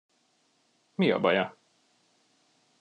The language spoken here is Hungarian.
Mi a baja?